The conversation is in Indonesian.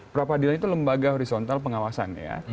pra peradilan itu lembaga horizontal pengawasan ya